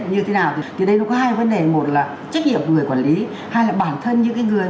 như thế nào thì đây nó có hai vấn đề một là trách nhiệm của người quản lý hai là bản thân như cái người